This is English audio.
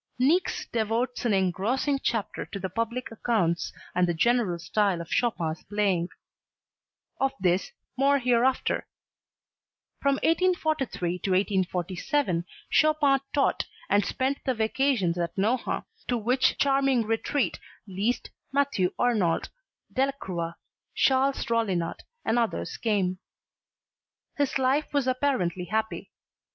Niecks devotes an engrossing chapter to the public accounts and the general style of Chopin's playing; of this more hereafter. From 1843 to 1847 Chopin taught, and spent the vacations at Nohant, to which charming retreat Liszt, Matthew Arnold, Delacroix, Charles Rollinat and many others came. His life was apparently happy.